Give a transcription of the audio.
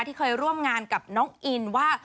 ที่เคยร่วมงานกับน้องอินว่า